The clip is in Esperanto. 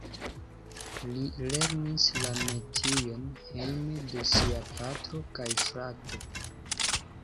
Li lernis la metion hejme de siaj patro kaj frato.